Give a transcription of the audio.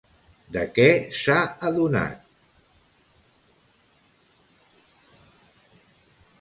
De què s'ha adonat?